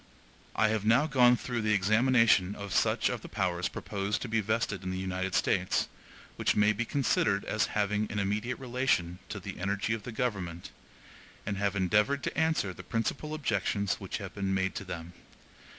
(I have now gone through the examination of such of the powers proposed to be vested in the United States, which may be considered as having an immediate relation to the energy of the government; and have endeavored to answer the principal objections which have been made to them.